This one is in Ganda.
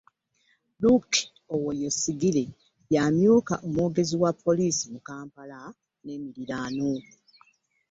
Luke Owoyesigire, y'amyuka omwogezi wa poliisi mu Kampala n'emiriraano